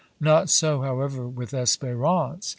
Not so, however, with Espérance.